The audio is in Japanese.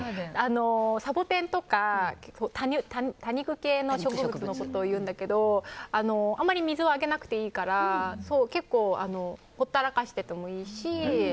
サボテンとか、多肉系の植物のことをいうんだけどあまり水をあげなくていいからほったらかしていいし。